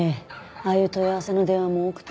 ああいう問い合わせの電話も多くて。